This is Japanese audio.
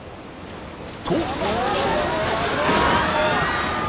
［と］